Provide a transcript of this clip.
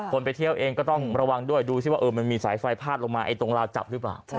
ไปเที่ยวเองก็ต้องระวังด้วยดูสิว่ามันมีสายไฟพาดลงมาตรงราวจับหรือเปล่า